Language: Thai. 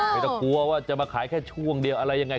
ไม่ต้องกลัวว่าจะมาขายแค่ช่วงเดียวอะไรยังไง